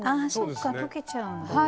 そっか溶けちゃうんだ。